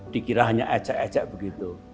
dikira hanya ecek ecek begitu